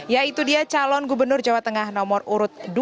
yaitu dia calon gubernur jawa tengah nomor urut dua